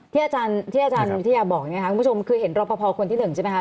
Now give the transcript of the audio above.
ที่อาจารย์บอกนะครับคุณผู้ชมคือเห็นรอบพอพอคนที่หนึ่งใช่ไหมคะ